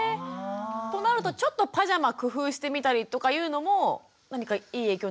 となるとちょっとパジャマ工夫してみたりとかいうのも何かいい影響になるかもしれないですかね？